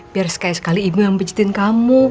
biar sekali sekali ibu yang budgetin kamu